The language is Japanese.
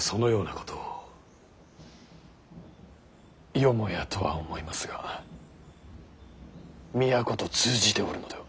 よもやとは思いますが都と通じておるのでは。